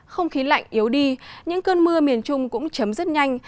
không khí lạnh yếu đi những cơn mưa miền trung cũng chấm dứt nhanh